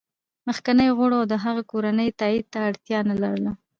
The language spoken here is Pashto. مخکینیو غړو او د هغوی کورنیو تایید ته اړتیا نه لرله